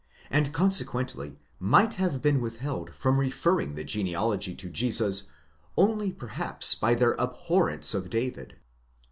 and consequently might have been withheld from referring the genealogy to Jesus only perhaps by their abhorrence of David.